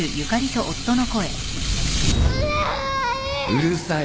・・うるさい